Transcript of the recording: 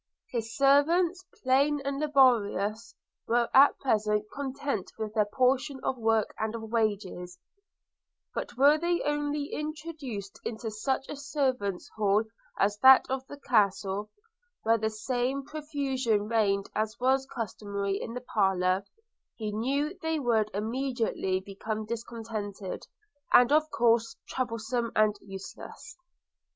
His servants, plain and laborious, were at present content with their portion of work and of wages; but were they once introduced into such a servants hall as that of the Castle, where the same profusion reigned as was customary in the parlour, he knew they would immediately become discontented, and of course troublesome and useless.